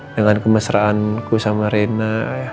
dengan kemesraanku sama rena